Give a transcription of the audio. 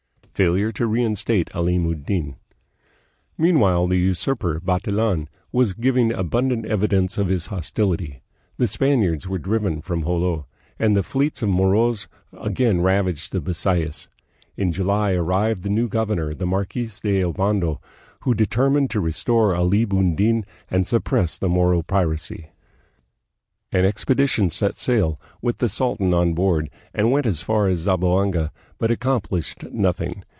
Failure to Reinstate </Llim ud Din. Meanwhile the usurper, Bantilan, was giving abundant evidence of his hostility. The Spaniards were driven from Jolo, and the fleets of the Moros again ravaged the Bisayas. In July arrived the new governor, the Marquis of Obando, who determined to restore Alim ud Din and suppress the Moro piracy. An expedition set sail, with the sultan on board, and went as far as Zamboanga, but accomplished noth ing.